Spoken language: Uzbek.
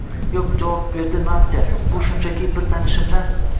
Yoʻq, – deb javob berdi Nastya. – Bu shunchaki… Bir tanishimdan…